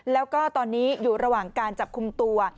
แล้วก็ตอนนี้อยู่ระหว่างการจับคุมตัว